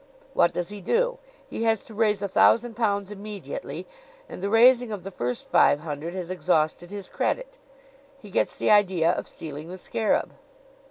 What does he do? He has to raise a thousand pounds immediately, and the raising of the first five hundred has exhausted his credit. He gets the idea of stealing the scarab!"